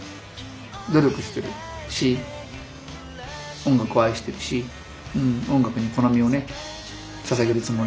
努力してるし音楽を愛してるし音楽にこの身をねささげるつもり。